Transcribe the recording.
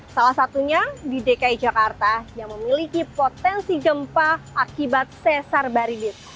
salah satunya di dki jakarta yang memiliki potensi gempa akibat sesar baribis